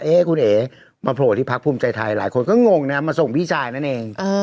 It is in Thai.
คุณเอ๋มาโผล่ที่พักภูมิใจไทยหลายคนก็งงนะมาส่งพี่ชายนั่นเอง